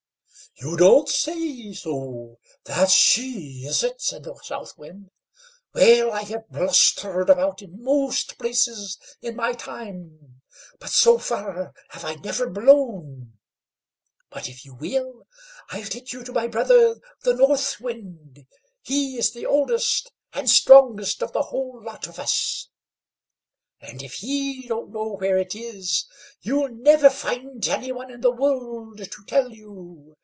"You don't say so! That's she, is it?" said the South Wind. "Well, I have blustered about in most places in my time, but so far have I never blown; but if you will, I'll take you to my brother the North Wind; he is the oldest and strongest of the whole lot of us, and if he don't know where it is, you'll never find any one in the world to tell you.